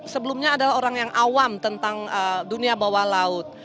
sebelumnya adalah orang yang awam tentang dunia bawah laut